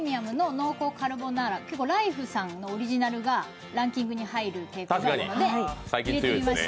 結構、ライフさんのオリジナルがランキングに入る傾向があるので。